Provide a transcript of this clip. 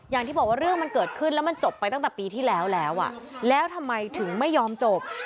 อย่างที่บอกว่าเรื่องมันเกิดขึ้นแล้วมันจบไปตั้งแต่ปีที่แล้วแล้วทำไมถึงไม่ยอมจบ